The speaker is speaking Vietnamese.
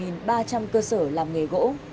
huyện có gần ba trăm linh cơ sở làm nghề gỗ